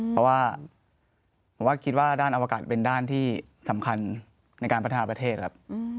เพราะว่าผมว่าคิดว่าด้านอวกาศเป็นด้านที่สำคัญในการพัฒนาประเทศครับ